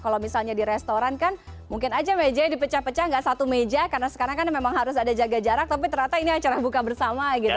kalau misalnya di restoran kan mungkin aja meja dipecah pecah nggak satu meja karena sekarang kan memang harus ada jaga jarak tapi ternyata ini acara buka bersama gitu